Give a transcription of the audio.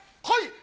はい！